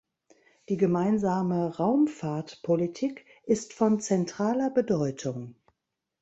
Die gemeinsame Raumfahrtpolitik ist von zentraler Bedeutung.